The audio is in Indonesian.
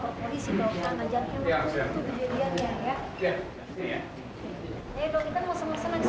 kamu apa polisi bawa ke sana jadi emang harus untuk kejadiannya ya